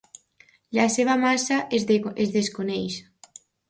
La seva massa es desconeix.